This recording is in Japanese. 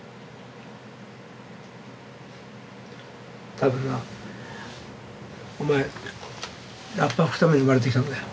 たぶんなお前ラッパ吹くために生まれてきたんだよ